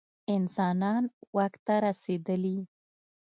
انسانان واک ته رسېدلي.